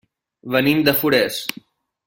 Venim de Forès.